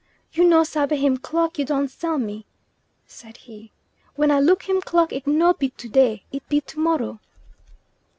"You no sabe him clock you done sell me?" said he. "When I look him clock it no be to day, it be to morrow."